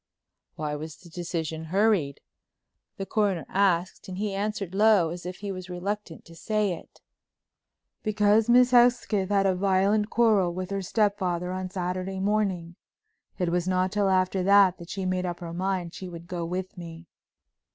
"Why was the decision hurried?" the Coroner asked and he answered low, as if he was reluctant to say it. "Because Miss Hesketh had a violent quarrel with her stepfather on Saturday morning. It was not till after that that she made up her mind she would go with me."